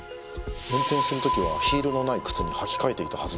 運転する時はヒールのない靴に履き替えていたはずなのに。